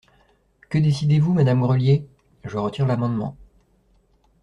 Que décidez-vous, madame Grelier ? Je retire l’amendement.